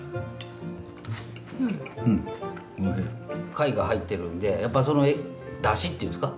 貝が入ってるんでやっぱダシっていうんですか？